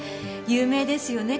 有名ですよね